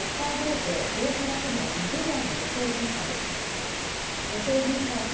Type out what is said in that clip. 警豊平署の２０代の女性巡査です。